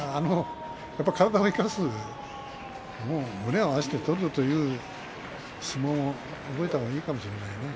やっぱり体を生かす、胸を合わせて取るぞという相撲を覚えたほうがいいかもしれないね。